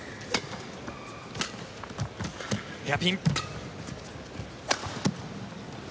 ヘアピン。